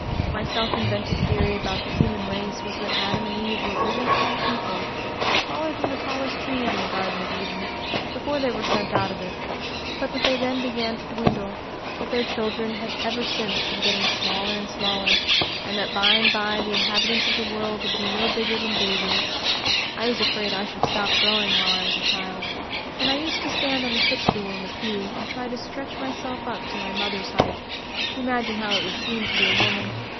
My self invented theory about the human race was that Adam and Eve were very tall people, taller than the tallest trees in the Garden of Eden, before they were sent out of it; but that they then began to dwindle; that their children had ever since been getting smaller and smaller, and that by and by the inhabitants of the world would be no bigger than babies. I was afraid I should stop growing while I was a child, and I used to stand on the footstool in the pew, and try to stretch myself up to my mother's height, to imagine how it would seem to be a woman.